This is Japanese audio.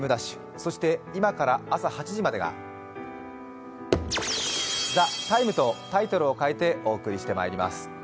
そして今から朝８時までが「ＴＨＥＴＩＭＥ，」とタイトルを変えてお送りしてまいります。